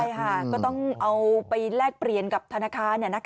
ใช่ค่ะก็ต้องเอาไปแลกเปลี่ยนกับธนาคาร